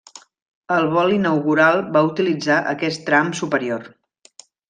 El vol inaugural va utilitzar aquest tram superior.